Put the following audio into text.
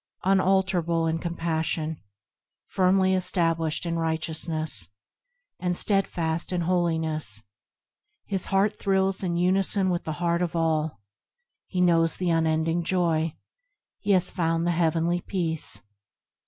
Unalterable in compassion, Firmly established in righteousness, And steadfast in holiness, His heart thrills in unison with the Heart of all; He knows the unending joy, He has found the heavenly peace.